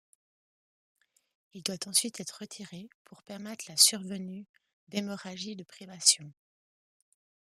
Il doit ensuite être retiré pour permettre la survenue d'hémorragies de privation.